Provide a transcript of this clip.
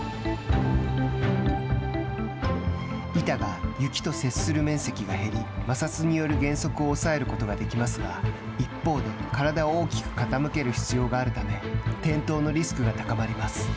板が雪と接する面積が減り摩擦による減速を抑えることができますが一方で体を大きく傾ける必要があるため転倒のリスクが高まります。